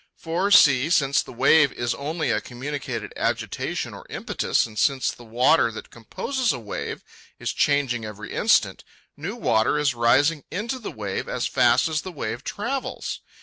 For, see, since a wave is only a communicated agitation or impetus, and since the water that composes a wave is changing every instant, new water is rising into the wave as fast as the wave travels.